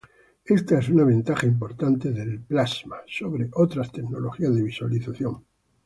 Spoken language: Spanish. Esta es una ventaja importante del plasma sobre otras tecnologías de visualización.